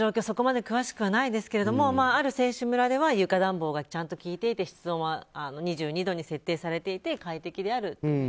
そこまで詳しくはないですがある選手村では床暖房がちゃんと効いていて室温は２２度に設定されていて快適であると。